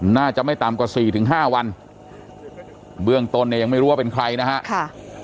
น่าจะไม่ตามกว่า๔ถึง๕วันเบื้องต้นยังไม่รู้ว่าเป็นใครนะฮะ